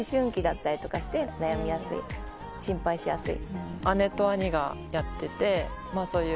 心配しやすい。